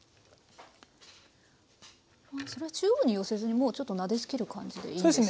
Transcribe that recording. それは中央に寄せずにもうちょっとなでつける感じでいいんですね。